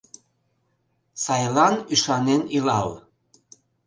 Сайлан ӱшанен илал.